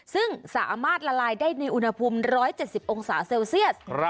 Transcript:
ซึ่งสามารถละลายได้ในอุณหภูมิ๑๗๐องศาเซลเซียส